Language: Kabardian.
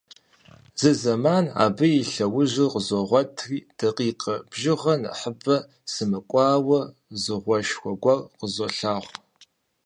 Зы зэман абы и лъэужьыр къызогъуэтри, дакъикъэ бжыгъэ нэхъыбэ сымыкӀуауэ, зы гъуэшхуэ гуэр къызолъагъу.